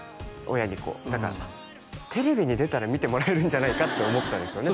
親にこうだからテレビに出たら見てもらえるんじゃないかって思ったんですよね